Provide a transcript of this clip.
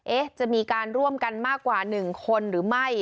จะมีการร่วมกันมากกว่า๑คนหรือไม่